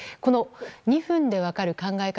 ２分で分かる考え方